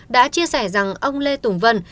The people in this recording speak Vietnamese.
đã chia sẻ rằng ông lê tùng vân